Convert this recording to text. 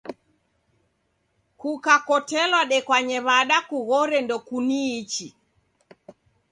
Kukakotelwa dekanye w'ada kughore ndokuniichi.